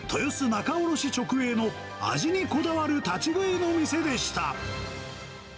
仲卸直営の、味にこだわる立ち食いの店でした。